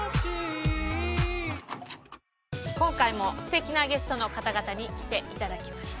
今回も素敵なゲストの方々に来ていただきました。